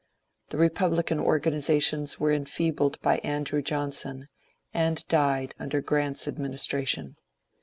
The republican organizations were enfeebled by Andrew Johnson, and died under Grant's ad ministration.